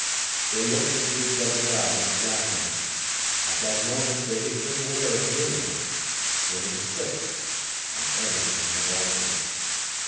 They looked into each other's eyes, laughing. At that moment they became aware of Miriam. There was a click, and everything had altered.